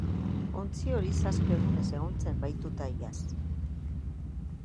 Ontzi hori zazpi egunez egon zen bahituta iaz.